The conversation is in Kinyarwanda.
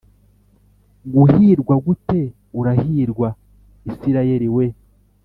Guhirwa gute urahirwa isirayeli we